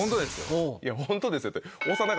いや「ホントですよ」って。